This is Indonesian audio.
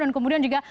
dan kemudian juga